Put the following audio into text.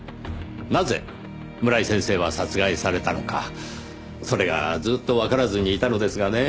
なぜ村井先生は殺害されたのかそれがずっとわからずにいたのですがね